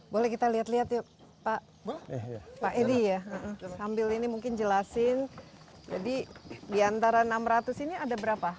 boleh kita lihat lihat yuk pak pahisi ya ambil ini mungkin jelasin jadi diantara enam ratus ini ada berapa